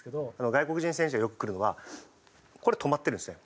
外国人選手がよく来るのはこれ止まってるんですね。